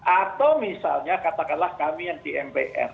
atau misalnya katakanlah kami yang di mpr